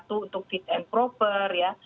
satu untuk fit and proper ya